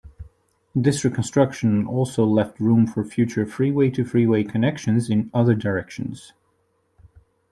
This reconstruction also left room for future freeway-to-freeway connections in other directions.